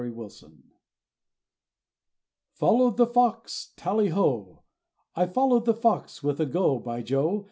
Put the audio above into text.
] I FOLLOWED the fox, tally ho! I followed the fox, with a go, by Joe!